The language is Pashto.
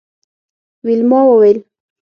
ویلما وویل